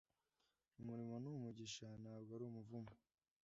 Umurimo ni umugisha ntabwo ari umuvumo.